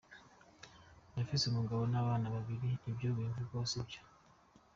"Ndafise umugabo n'abana babiri, ivyo bimvugwako sivyo.